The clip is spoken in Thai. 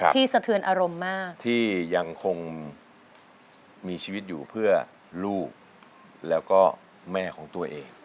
สะเทือนอารมณ์มากที่ยังคงมีชีวิตอยู่เพื่อลูกแล้วก็แม่ของตัวเอง